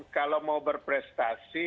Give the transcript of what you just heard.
kalau mau berprestasi